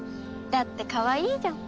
だってかわいいじゃん！